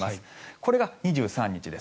これが２３日です。